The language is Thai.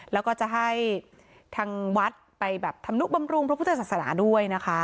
แล้วก็จะให้ทางวัดไปแบบธรรมนุบำรุงพระพุทธศาสนาด้วยนะคะ